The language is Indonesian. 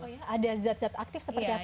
oh ya ada zat zat aktif seperti apa mungkin